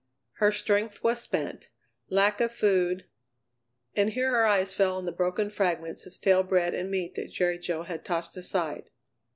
Her strength was spent, lack of food And here her eyes fell on the broken fragments of stale bread and meat that Jerry Jo had tossed aside.